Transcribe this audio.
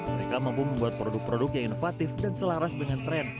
mereka mampu membuat produk produk yang inovatif dan selaras dengan tren